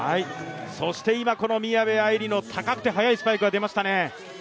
そして今この宮部藍梨の高くて速いスパイクが出ましたね。